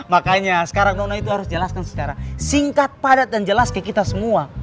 makanya sekarang nona itu harus jelaskan secara singkat padat dan jelas kayak kita semua